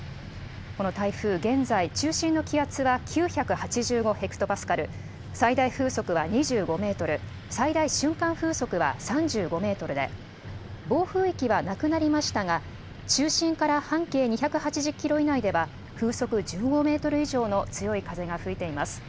この台風、現在、中心の気圧は９８５ヘクトパスカル、最大風速は２５メートル、最大瞬間風速は３５メートルで、暴風域はなくなりましたが、中心から半径２８０キロ以内では、風速１５メートル以上の強い風が吹いています。